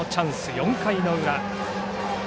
４回の裏。